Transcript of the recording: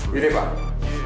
saya mau dalam waktu tiga jam